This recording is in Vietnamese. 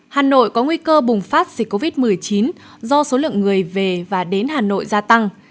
hà nội có nguy cơ bùng phát dịch covid một mươi chín do số lượng người về và đến hà nội gia tăng